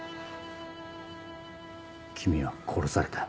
君は殺された。